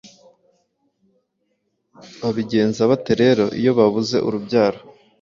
babigenza bate rero iyo babuze urubyaro